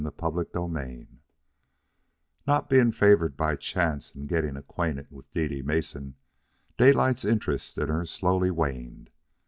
CHAPTER VII Not being favored by chance in getting acquainted with Dede Mason, Daylight's interest in her slowly waned.